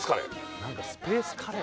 スペースカレー